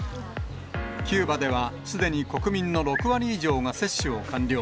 キューバでは、すでに国民の６割以上が接種を完了。